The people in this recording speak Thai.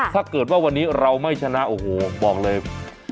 ถ้าเกิดว่าวันนี้เราไม่ชนะโอ้โหบอกเลย